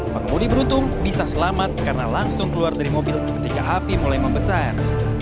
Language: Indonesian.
pengemudi beruntung bisa selamat karena langsung keluar dari mobil ketika api mulai membesar